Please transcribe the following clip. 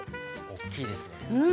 おっきいですね！